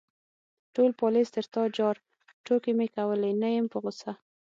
_ټول پالېز تر تا جار، ټوکې مې کولې، نه يم په غوسه.